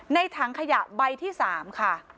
ถังขยะใบที่๓ค่ะ